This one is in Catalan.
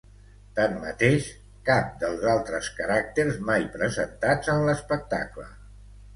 Tanmateix cap dels altres caràcters mai presentats en l'espectacle.